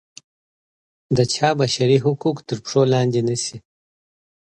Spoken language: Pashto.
د چا بشري حقوق تر پښو لاندې نه شي.